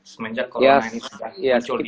semenjak corona ini sudah culi